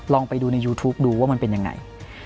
ลองไปดูในยูทูปดูว่ามันเป็นยังไง